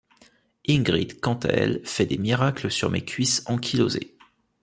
Ingrid, quant à elle, fait des miracles sur mes cuisses ankylosées.